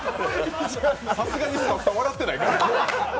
さすがにスタッフさん笑ってないから。